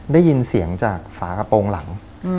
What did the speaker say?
ได้ยินเสียงจากฝากระโปรงหลัง